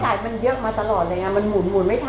ไม่รายจ่ายมันเยือกมาตลอดเลยมันหมุนไม่ทัน